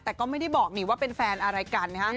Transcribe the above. แต่ก็ไม่ได้บอกนี่ว่าเป็นแฟนอะไรกันนะฮะ